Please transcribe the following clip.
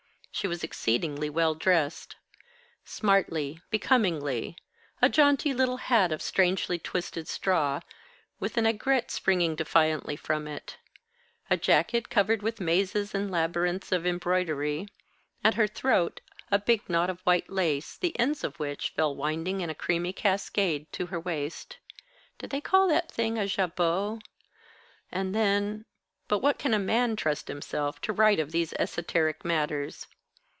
She was exceedingly well dressed; smartly, becomingly; a jaunty little hat of strangely twisted straw, with an aigrette springing defiantly from it; a jacket covered with mazes and labyrinths of embroidery; at her throat a big knot of white lace, the ends of which fell winding in a creamy cascade to her waist (do they call the thing a jabot?); and then.... But what can a man trust himself to write of these esoteric matters?